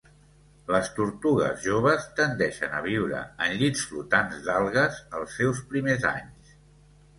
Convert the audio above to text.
Les tortugues joves tendeixen a viure en llits flotants d'algues els seus primers anys.